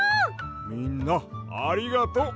みんなありがとう！